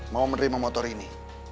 mau menerima motor ini